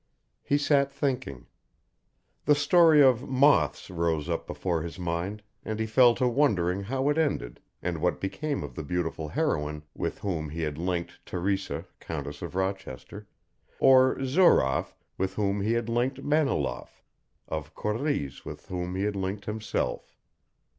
He sat thinking. The story of "Moths" rose up before his mind and he fell to wondering how it ended and what became of the beautiful heroine with whom he had linked Teresa Countess of Rochester, of Zouroff with whom he had linked Maniloff, of Corréze with whom he had linked himself.